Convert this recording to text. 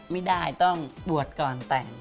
ไม่ได้ต้องบวชก่อนแต่ง